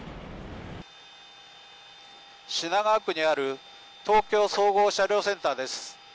品川区にある東京総合車両センターです。